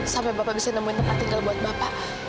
sampai bapak bisa nemuin tempat tinggal buat bapak